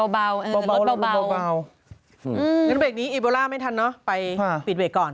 บ่าวลดเป็นเอโบราณไม่ทันไปปิดเวทก่อน